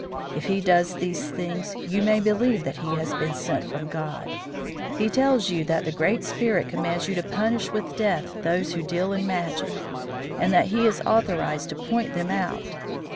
If he does these things you may believe that he has been sent from God. He tells you that the Great Spirit commands you to punish with death those who deal in magic, and that he is authorized to point them out.